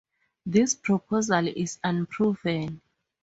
This proposal is unproven.